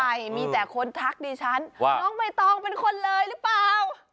แล้วที่ฉันขึ้นไปมีแต่คนทักดิฉันว่าน้องใบตองเป็นคนเลยหรือเปล่า